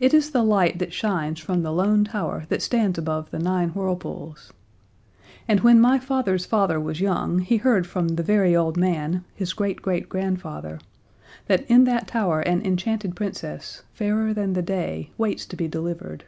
It is the light that shines from the Lone Tower that stands above the Nine Whirlpools. And when my father's father was young he heard from the very old man, his great great grandfather, that in that tower an enchanted Princess, fairer than the day, waits to be delivered.